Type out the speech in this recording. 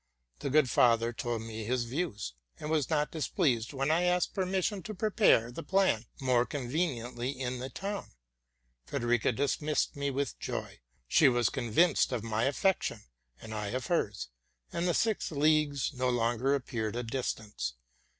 The good father told me his views, and was not displeased when I asked permission to prepare the plan more conveniently in the town. Frederica dismissed me with joy; she was convinced of my affection, and I of hers: and the six leagues no longer appeared a distance.